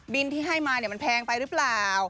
บินที่ให้มามันแพงไปรึเปล่า